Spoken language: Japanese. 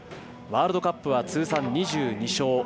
ワールドカップは通算２２勝。